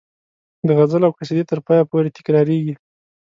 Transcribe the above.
د غزل او قصیدې تر پایه پورې تکراریږي.